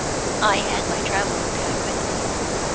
I had my traveling bag with me.